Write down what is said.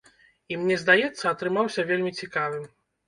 І мне здаецца, атрымаўся вельмі цікавым.